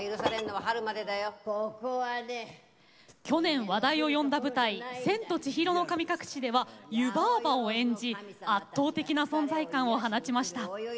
去年話題を呼んだ舞台「千と千尋の神隠し」では湯婆婆を演じ圧倒的な存在感を放ちました。